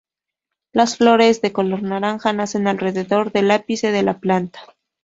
Las flores, de color naranja, nacen alrededor del ápice de la planta.